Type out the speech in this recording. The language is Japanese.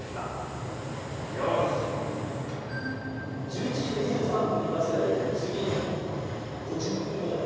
１１時２３分にバスが出て次５０分後だよ。